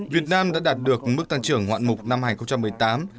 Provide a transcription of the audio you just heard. việt nam đã đạt được mức tăng trưởng hoạn mục năm hai nghìn một mươi tám